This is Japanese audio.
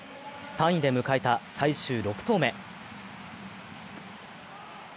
３位で迎えた最終６投目。